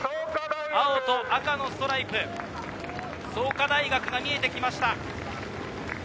青と赤のストライプ、創価大学が見えてきました。